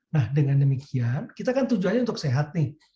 nah dengan demikian kita kan tujuannya untuk sehat nih